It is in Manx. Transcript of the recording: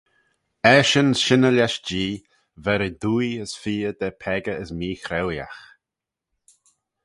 Eshyn shinney lesh Jee, ver eh dwoaie as feoh da peccah as meechraueeaght.